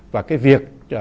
và cái việc